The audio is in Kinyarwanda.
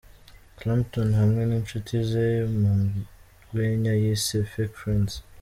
Clapton hamwe n'inshuti ze mu rwenya yise 'Fake friends'.